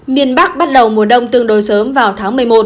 miền bắc bắt đầu mùa đông tương đối sớm vào tháng một mươi một